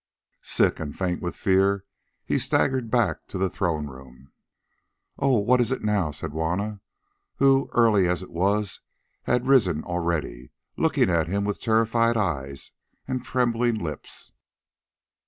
Sick and faint with fear he staggered back to the throne room. "Oh! what is it now?" said Juanna, who, early as it was, had risen already, looking at him with terrified eyes and trembling lips.